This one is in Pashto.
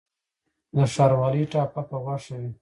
د ښاروالۍ ټاپه په غوښه وي؟